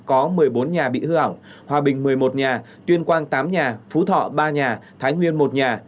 có một mươi bốn nhà bị hư hỏng hòa bình một mươi một nhà tuyên quang tám nhà phú thọ ba nhà thái nguyên một nhà